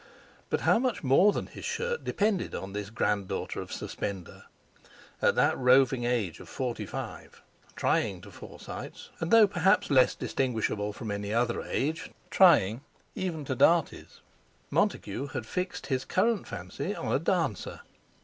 But how much more than his shirt depended on this granddaughter of Suspender! At that roving age of forty five, trying to Forsytes—and, though perhaps less distinguishable from any other age, trying even to Darties—Montague had fixed his current fancy on a dancer.